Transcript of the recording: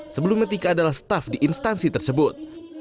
sebelumnya tika adalah staf di instansi tersebut